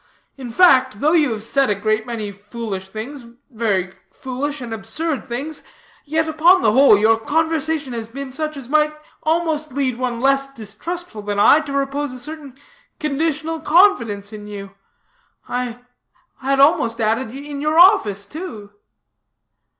In fact, though you have said a great many foolish things, very foolish and absurd things, yet, upon the whole, your conversation has been such as might almost lead one less distrustful than I to repose a certain conditional confidence in you, I had almost added in your office, also.